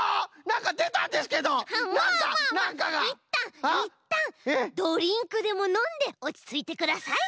まあまあまあいったんいったんドリンクでものんでおちついてください。